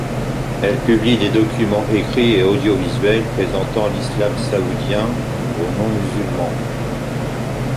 Elle publie des documents écrits et audio-visuels présentant l’islam saoudien aux non-musulmans.